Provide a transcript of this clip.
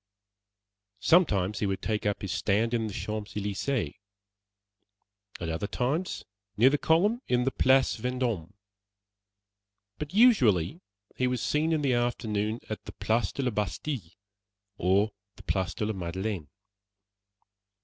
Sometimes he would take up his stand in the Champs Elysées; at other times, near the column in the Place Vendôme; but usually he was seen in the afternoon in the Place de la Bastille, or the Place de la Madeleine.